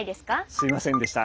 すみませんでした。